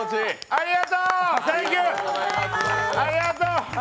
ありがとう！